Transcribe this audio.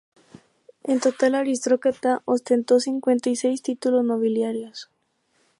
En total la aristócrata ostentó cincuenta y seis títulos nobiliarios.